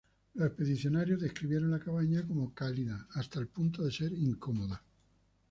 Los expedicionarios describieron la cabaña como cálida hasta el punto de ser incómoda.